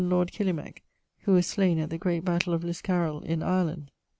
lord Killimeke[AY]; who was slain at the great battell of Liskarrill, in Ireland?